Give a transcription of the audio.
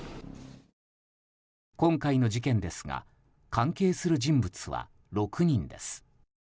今回の事件ですが関係する人物は６人です。